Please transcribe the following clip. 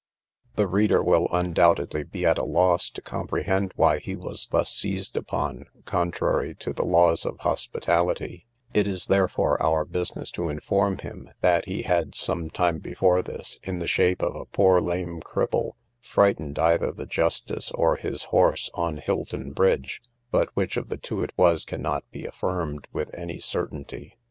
The reader will, undoubtedly, be at a loss to comprehend why he was thus seized upon, contrary to the laws of hospitality; it is therefore our business to inform him, that he had, some time before this, in the shape of a poor lame cripple, frightened either the justice or his horse on Hilton bridge; but which of the two it was, cannot be affirmed with any certainty.